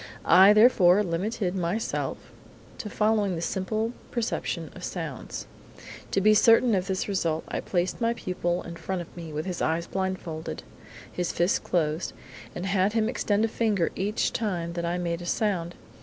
I, therefore, limited myself to following the simple perception of sounds. To be certain of this result, I placed my pupil in front of me with his eyes blinded, his fists closed, and had him extend a finger every time that I made a sound.